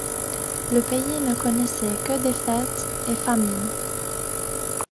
Le pays ne connaissait que défaites et famines.